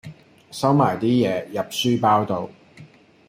收埋啲嘢入書包度